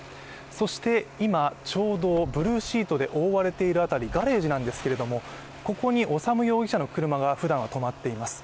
そして今、ちょうどブルーシートで覆われている辺りガレージなんですけれども、ここに修容疑者の車がふだんは止まっています。